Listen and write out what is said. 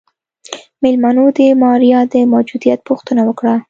مېلمنو د ماريا د موجوديت پوښتنه وکړه.